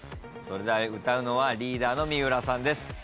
それでは歌うのはリーダーの三浦さんです。